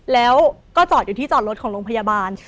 แล้วก็จอดอยู่ที่จอดรถของโรงพยาบาล